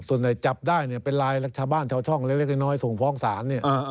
ส่วนใดจับได้เป็นรายลักษะบ้านชาวช่องเล็กน้อยส่งฟ้องศาล